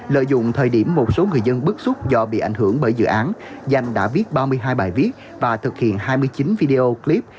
lợi dụng thời điểm một số người dân bức xúc do bị ảnh hưởng bởi dự án danh đã viết ba mươi hai bài viết và thực hiện hai mươi chín video clip